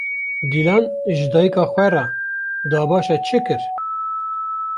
Dîlan ji dayîka xwe re, dabaşa çi kir?